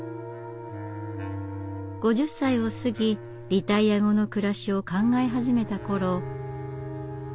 ５０歳を過ぎリタイア後の暮らしを考え始めた頃。